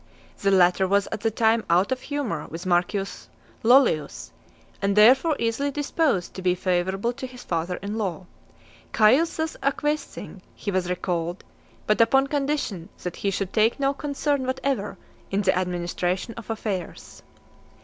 The latter was at that time out of humour with Marcus Lollius, and therefore easily disposed to be favourable to his father in law. Caius thus acquiescing, he was recalled, but upon condition that he should take no concern whatever in the administration of affairs.